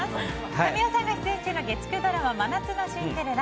神尾さんが出演中の月９ドラマ「真夏のシンデレラ」。